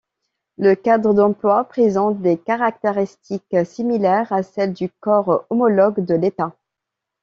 Le cadre d'emplois présente des caractéristiques similaires à celles du corps homologue de l'État.